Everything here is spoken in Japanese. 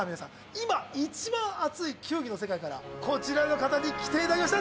今一番熱い球技の世界からこちらの方に来ていただきました。